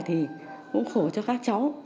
thì cũng khổ cho các cháu